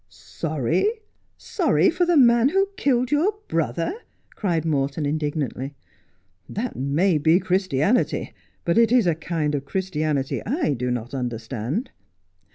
' Sorry ! Sorry for the man who killed your brother 1 ' cried Morton indignantly. ' That may be Christianity, but it is a kind of Christianity I do not understand.'